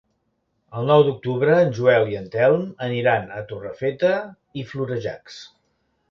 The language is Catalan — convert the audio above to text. El nou d'octubre en Joel i en Telm aniran a Torrefeta i Florejacs.